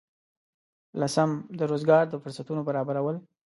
لسم: د روزګار د فرصتونو برابرول.